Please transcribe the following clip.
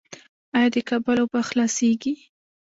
آیا د کابل اوبه خلاصیږي؟